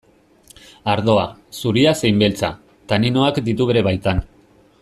Ardoa, zuria zein beltza, taninoak ditu bere baitan.